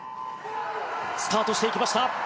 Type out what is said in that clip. スタートしていきました。